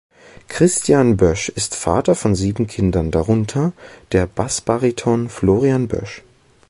Christian Boesch ist Vater von sieben Kindern, darunter der Bassbariton Florian Boesch.